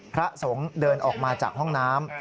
พระสงฆ์เดินออกมาจากห้องน้ำ